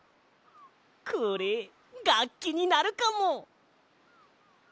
これがっきになるかも！